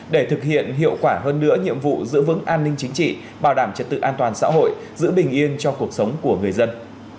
để thực hiện hiệu quả hơn nữa nhiệm vụ giữ vững an ninh chính trị bảo đảm trật tự an toàn xã hội giữ bình yên cho cuộc sống của người dân